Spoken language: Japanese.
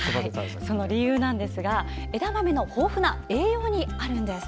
その理由は枝豆の豊富な栄養にあるんです。